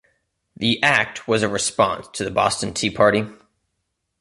The Act was a response to the Boston Tea Party.